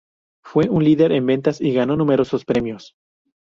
Fue un líder en ventas y ganó numerosos premios.